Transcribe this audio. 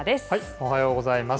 おはようございます。